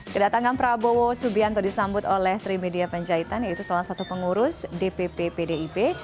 kedatangan prabowo subianto disambut oleh trimedia penjahitan yaitu salah satu pengurus dpp pdip